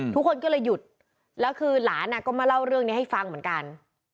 ทุกคนก็เลยหยุดแล้วคือหลานก็มาเล่าเรื่องนี้ให้ฟังเหมือนกัน